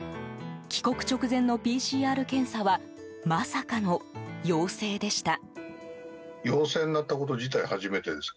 帰国直前のＰＣＲ検査はまさかの陽性でした。